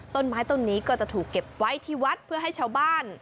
ต้นไม้ต้นนี้ก็จะถูกเก็บไว้ที่วัดเพื่อให้ชาวบ้าน